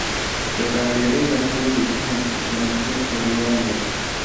د ښاپیرۍ نغمې لیکنه د شاه محمود کډوال ده